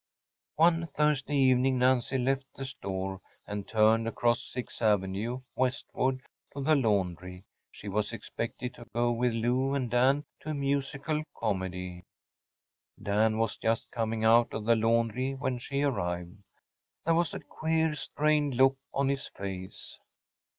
One Thursday evening Nancy left the store and turned across Sixth Avenue westward to the laundry. She was expected to go with Lou and Dan to a musical comedy. Dan was just coming out of the laundry when she arrived. There was a queer, strained look on his face.